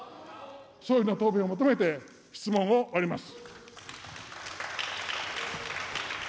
総理の答弁を求めて、質問を終わります。